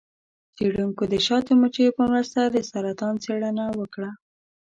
څیړونکو د شاتو مچیو په مرسته د سرطان څیړنه وکړه.